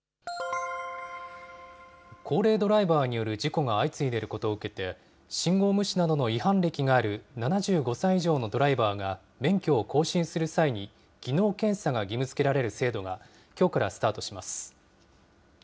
高齢ドライバーによる事故が相次いでいることを受けて、信号無視などの違反歴がある７５歳以上のドライバーが免許を更新する際に、技能検査が義務づけられる制度がきょうからスタートします。